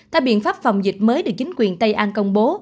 các biện pháp phòng dịch mới được chính quyền tây an công bố